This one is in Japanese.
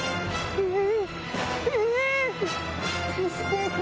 うん？